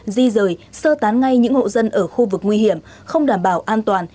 di rời sơ tán ngay những hộ dân ở khu vực nguy hiểm không đảm bảo an toàn